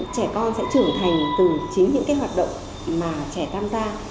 trẻ con sẽ trưởng thành từ chính những hoạt động mà trẻ tham gia